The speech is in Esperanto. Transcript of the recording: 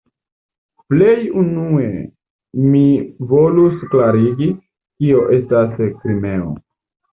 Plej unue mi volus klarigi, kio estas "Krimeo".